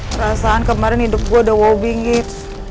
perasaan kemarin hidup gue udah wow bingit